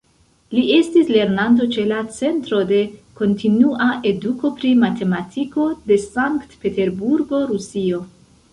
Li estis lernanto ĉe la "Centro de Kontinua Eduko pri Matematiko" de Sankt-Peterburgo, Rusio.